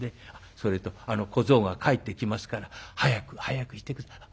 「それと小僧が帰ってきますから早く早く行って下さい」。